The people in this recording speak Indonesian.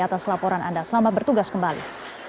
atas laporan anda selamat bertugas kembali